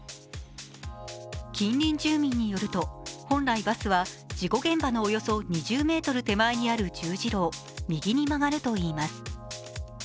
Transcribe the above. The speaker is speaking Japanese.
近隣住民によると、本来バスは事故現場のおよそ２０ｍ手前にある十字路を右に曲がるといいます。